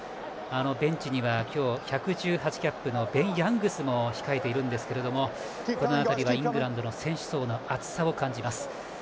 ベンチには今日１１８キャップのベン・ヤングスも控えているんですけれどもこの辺りはイングランドの選手層の厚さを感じます。